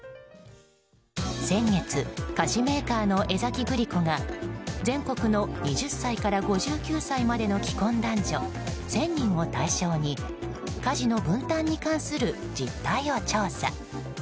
先月、菓子メーカーの江崎グリコが全国の２０歳から５９歳までの既婚男女１０００人を対象に家事の分担に関する実態を調査。